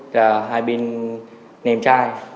rồi hai bên ném chai